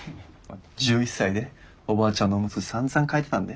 １１歳でおばあちゃんのおむつさんざん替えてたんで。